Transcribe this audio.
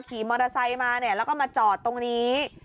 ขี่มอเตอร์ไซค์มาเนี่ยแล้วก็มาจอดตรงนี้